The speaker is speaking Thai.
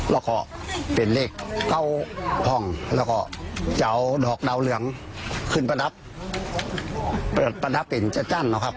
แล้วก็เป็นเลข๙ห้องแล้วก็จะเอาดอกดาวเหลืองขึ้นประดับเปิดประดับเป็นจัดจั้นนะครับ